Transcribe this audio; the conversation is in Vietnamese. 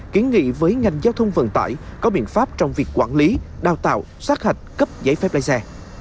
kiến nghị với ngành giao thông vận tải có biện pháp trong việc quản lý đào tạo sát hạch cấp giấy phép lái xe